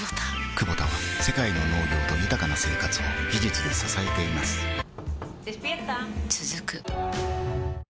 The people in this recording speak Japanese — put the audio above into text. クボタは世界の農業と豊かな生活を技術で支えています起きて。